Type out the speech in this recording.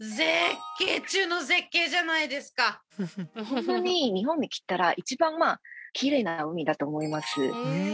ホントに日本に来たら一番まあきれいな海だと思います。